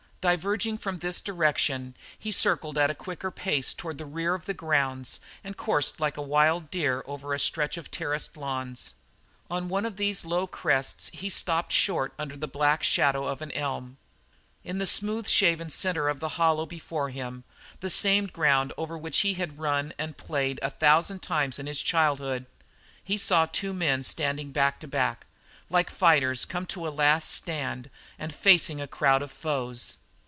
Diverging from this direction, he circled at a quicker pace toward the rear of the grounds and coursed like a wild deer over a stretch of terraced lawns. On one of these low crests he stopped short under the black shadow of an elm. In the smooth shaven centre of the hollow before him, the same ground over which he had run and played a thousand times in his childhood, he saw two tall men standing back to back, like fighters come to a last stand and facing a crowd of foes.